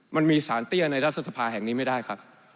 มันมีสารเตี้ยในรัฐสภาแห่งนี้ไม่ได้ครับ